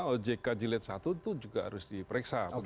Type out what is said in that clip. ojk jilid satu itu juga harus diperiksa